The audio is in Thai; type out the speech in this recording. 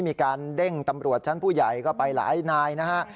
มีการเด้งตำรวจชั้นผู้ใหญ่ก็ไปหลายนายนะฮะ